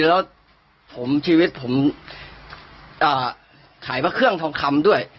แล้วผมชีวิตผมขายพระเครื่องทองคำด้วย